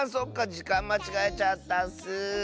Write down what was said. じかんまちがえちゃったッス。